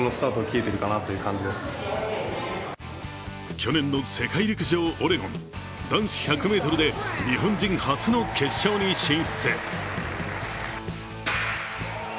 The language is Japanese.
去年の世界陸上オレゴン、男子１００ｍで日本人初の決勝に進出。